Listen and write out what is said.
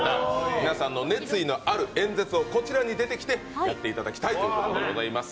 皆さんの熱意のある演説をこちらに出てきてやっていただきたいと思います。